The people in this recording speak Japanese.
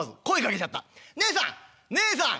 『ねえさんねえさん！